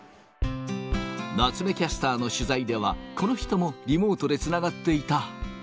夏目キャスターの取材では、この人もリモートでつながっていた。